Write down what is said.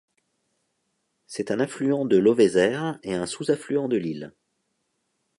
C'est un affluent de l'Auvézère et un sous-affluent de l'Isle.